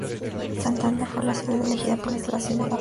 Santander fue la ciudad elegida para la instalación de la fábrica.